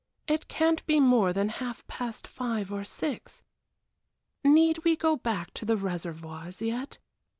It can't be more than half past five or six need we go back to the Reservoirs yet?